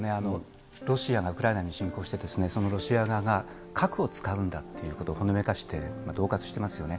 ロシアがウクライナに侵攻して、そのロシア側が核を使うんだってことをほのめかしてどう喝してますよね。